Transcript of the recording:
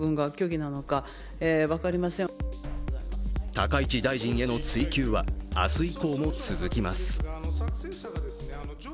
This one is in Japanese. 高市大臣への追及は明日以降も続きます。